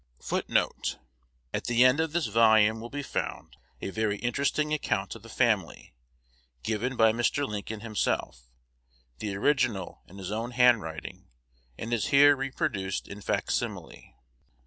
1 1 At the end of this volume will be found a very interesting account of the family, given by Mr. Lincoln himself. The original is in his own handwriting, and is here reproduced in fac simile.